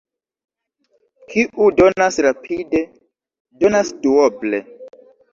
Kiu donas rapide, donas duoble.